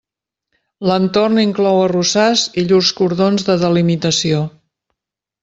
L'entorn inclou arrossars i llurs cordons de delimitació.